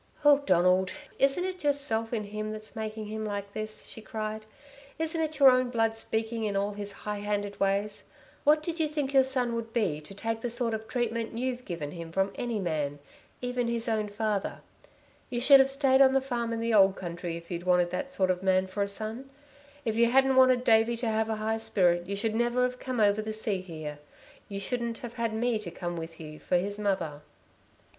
"Oh Donald, isn't it yourself in him that's making him like this," she cried. "Isn't it your own blood speaking in all his high handed ways? What did you think your son would be to take the sort of treatment you've given him from any man even his own father? You should have stayed on the farm in the old country if you'd wanted that sort of man for a son. If you hadn't wanted Davey to have a high spirit you should never have come over the sea here. You shouldn't have had me to come with you for his mother...."